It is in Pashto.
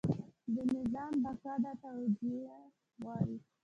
د نظام بقا دا توجیه غواړي.